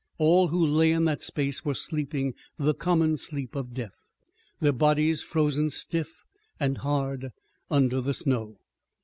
All who lay in that space were sleeping the common sleep of death, their bodies frozen stiff and hard under the snow.